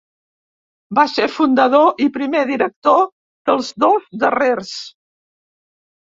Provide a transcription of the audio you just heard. Va ser fundador i primer director dels dos darrers.